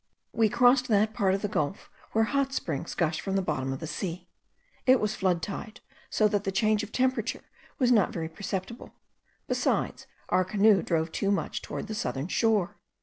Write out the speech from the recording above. We crossed that part of the gulf where hot springs gush from the bottom of the sea. It was flood tide, so that the change of temperature was not very perceptible: besides, our canoe drove too much towards the southern shore.